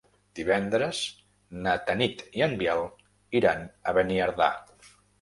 Divendres na Tanit i en Biel iran a Beniardà.